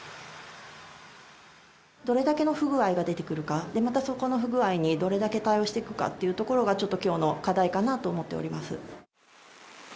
どれだけの不具合が出てくるか、また、そこの不具合にどれだけ対応していくかっていうところが、ちょっときょうの課題かなと思っております。